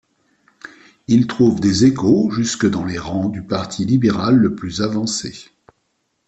Il trouve des échos jusque dans les rangs du parti libéral le plus avancé.